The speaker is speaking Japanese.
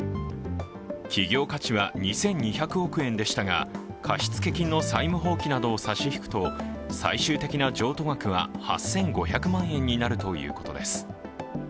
企業価値は２２００億円でしたが、貸付金の債務放棄などを差し引くと最終的な譲渡額は８５００万円になるということです。